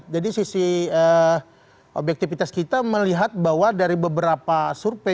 jadi sisi objektivitas kita melihat bahwa dari beberapa survei